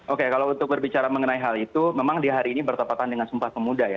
oke kalau untuk berbicara mengenai hal itu memang di hari ini bertepatan dengan sumpah pemuda ya